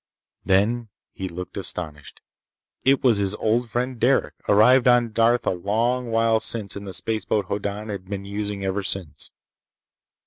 Then he looked astonished. It was his old friend Derec, arrived on Darth a long while since in the spaceboat Hoddan had been using ever since.